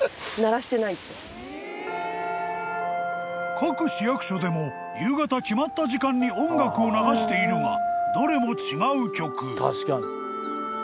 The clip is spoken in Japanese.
［各市役所でも夕方決まった時間に音楽を流しているがどれも違う曲］